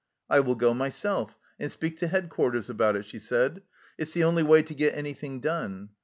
" I will go myself, and speak to Headquarters about it," she said; "it's the only way to get anything done."